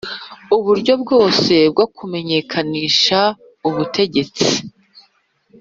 uburyo bwose bwo kumenyekanisha ubutegetsi